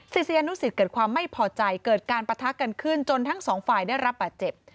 ศิษยานุสิตเกิดความไม่พอใจเกิดการปะทะกันขึ้นจนทั้งสองฝ่ายได้รับบาดเจ็บ